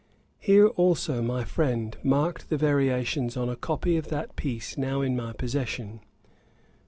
Here also my friend marked the variations on a copy of that piece now in my possession.